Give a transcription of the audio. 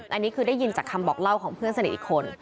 อันนี้คือได้ยินจากคำบอกเล่าของเพื่อนสนิทอีกคน